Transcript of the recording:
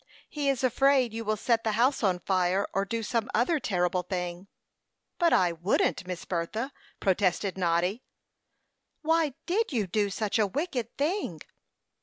He is afraid you will set the house on fire, or do some other terrible thing." "But I wouldn't, Miss Bertha," protested Noddy. "Why did you do such a wicked thing?"